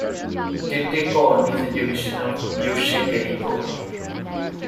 Detecon is a division of Deutsche Telekom.